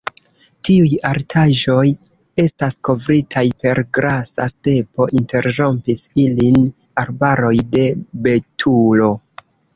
Tiuj altaĵoj estas kovritaj per grasa stepo, interrompis ilin arbaroj de betulo.